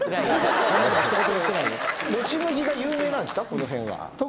この辺は。